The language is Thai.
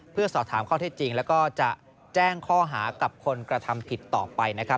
เพื่อสอบถามข้อเท็จจริงแล้วก็จะแจ้งข้อหากับคนกระทำผิดต่อไปนะครับ